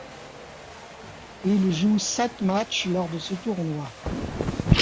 Il joue sept matchs lors de ce tournoi.